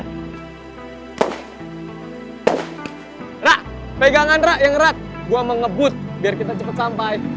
rara pegangan rara yang rat gue mau ngebut biar kita cepet sampai